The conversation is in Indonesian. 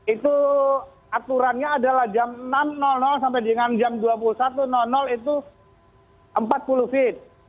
itu aturannya adalah jam enam sampai dengan jam dua puluh satu itu empat puluh feet